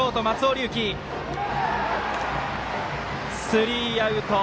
スリーアウト。